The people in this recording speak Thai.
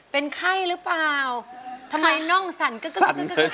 เป็นไข้รึเปล่าทำไมน่องสั่นกึกอ่ะ